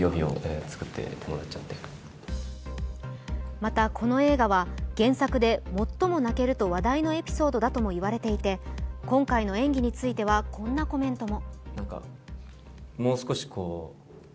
また、この映画は原作で最も泣けると話題のエピソードだとも言われていて、今回の演技についてはこんなコメントも。